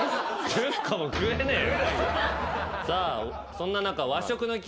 そんな中。